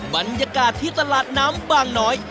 บรรยากาศที่ตลาดน้ำบางน้อย